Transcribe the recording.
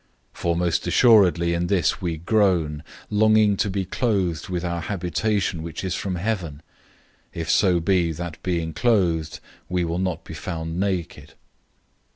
005:002 For most certainly in this we groan, longing to be clothed with our habitation which is from heaven; 005:003 if so be that being clothed we will not be found naked.